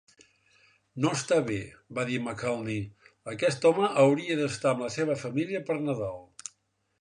"No està bé", va dir McAlhany, "aquest home hauria d'estar amb la seva família per Nadal".